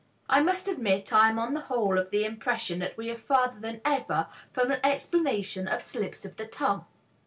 I must admit, I am on the whole of the impression that we are further than ever from an explanation of slips of the tongue!